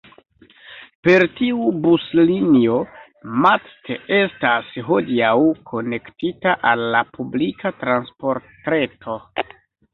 Per tiu buslinio Matt estas hodiaŭ konektita al la publika transportreto.